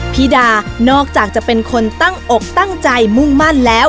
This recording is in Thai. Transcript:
พี่ดานอกจากจะเป็นคนตั้งอกตั้งใจมุ่งมั่นแล้ว